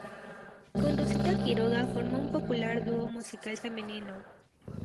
Con Rosita Quiroga formó un popular dúo musical femenino.